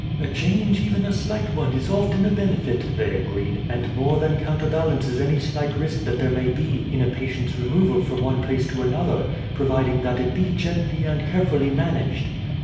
"A change, even a slight one, is often a benefit," they agreed; "and more than counterbalances any slight risk that there may be in a patient's removal from one place to another, providing that it be gently and carefully managed."